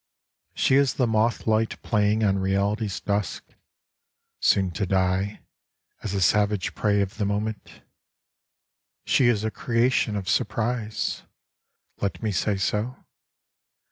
She is the moth light playing on reality's dusk, Soon to die as a savage prey of the moment ; She is a creation of surprise (let me say so).